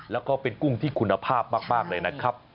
แล้วก็เป็นกุ้งที่คุณภาพมากเลยนะครับ